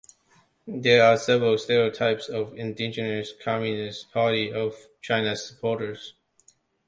There are several stereotypes of indigenous Communist Party of China's supporters.